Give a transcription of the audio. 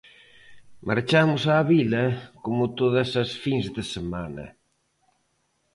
Marchamos á vila como todas as fins de semana.